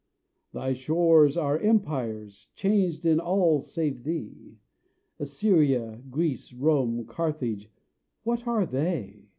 Thy shores are empires, changed in all save thee Assyria, Greece, Rome, Carthage, what are they?